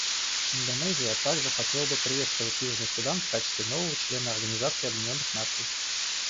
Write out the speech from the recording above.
Индонезия также хотела бы приветствовать Южный Судан в качестве нового члена Организации Объединенных Наций.